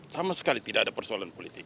sama sekali tidak ada persoalan politik